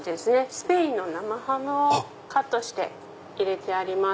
スペインの生ハムをカットして入れてあります。